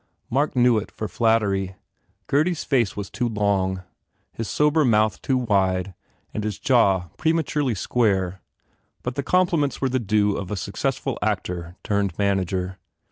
Mark knew it for flattery. Gurdy s face was too long, his sober mouth too wide and his jaw pre maturely square. But the compliments were the due of a successful actor turned manager.